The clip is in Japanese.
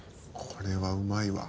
これはうまいわ。